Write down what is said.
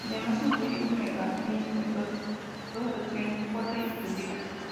Además, se incluye un megamix en dos versiones: corta y extendida.